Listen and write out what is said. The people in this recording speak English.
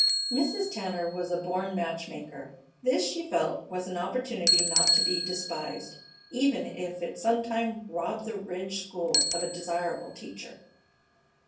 Mrs. Tanner was a born match maker. This she felt was an opportunity not to be despised, even if it sometime robbed the Ridge School of a desirable teacher.